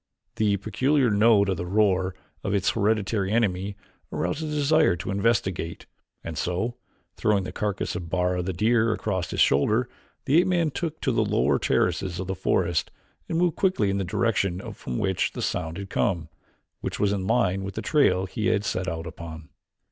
The peculiar note in the roar of his hereditary enemy aroused a desire to investigate, and so, throwing the carcass of Bara, the deer, across his shoulder, the ape man took to the lower terraces of the forest and moved quickly in the direction from which the sound had come, which was in line with the trail he had set out upon.